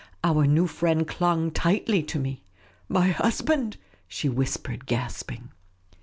Our new friend clung tightly to me. " My husband !" she whispered, gasping.